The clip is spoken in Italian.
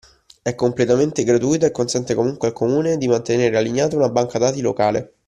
È completamente gratuita e consente comunque al Comune, di mantenere allineata una banca dati locale